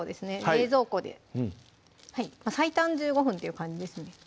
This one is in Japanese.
冷蔵庫で最短１５分っていう感じですね